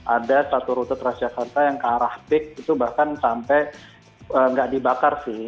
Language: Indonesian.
ada satu rute transjakarta yang ke arah pik itu bahkan sampai nggak dibakar sih